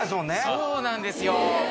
そうなんですよ。